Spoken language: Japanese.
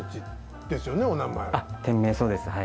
店名そうですはい。